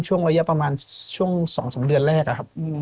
ช่วงระยะประมาณช่วง๒๓เดือนแรกอะครับ